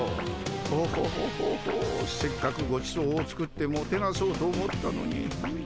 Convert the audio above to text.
トホホホホせっかくごちそうを作ってもてなそうと思ったのに。